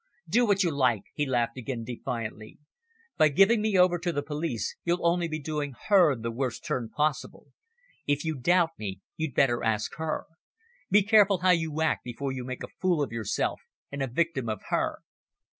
"Do what you like," he laughed again defiantly. "By giving me over to the police you'll only be doing her the worst turn possible. If you doubt me, you'd better ask her. Be careful how you act before you make a fool of yourself and a victim of her."